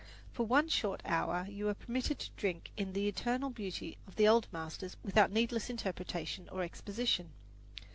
For one short hour you are permitted to drink in the eternal beauty of the old masters without needless interpretation or exposition.